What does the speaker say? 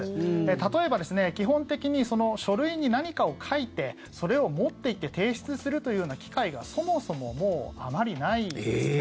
例えば、基本的に書類に何かを書いてそれを持っていって提出するというような機会がそもそももうあまりないですね。